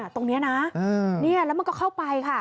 ตรงนี้นะแล้วมันก็เข้าไปค่ะ